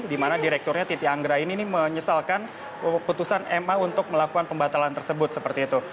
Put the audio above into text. di mana direkturnya titi anggra ini menyesalkan putusan ma untuk melakukan pembatalan tersebut seperti itu